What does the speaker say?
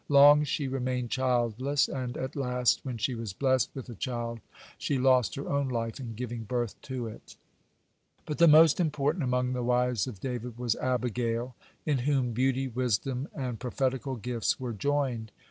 Long she remained childless, and at last, when she was blessed with a child, she lost her own life in giving birth to it. (135) But the most important among the wives of David was Abigail, in whom beauty, wisdom, and prophetical gifts were joined.